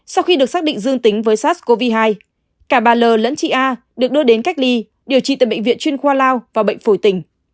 sau khi được xác định dương tính với sars cov hai cả bà l lẫn chị a được đưa đến cách ly điều trị tại bệnh viện chuyên khoa lao và bệnh phổi tỉnh